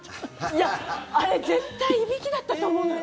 いや、あれ絶対いびきだったと思うのよ。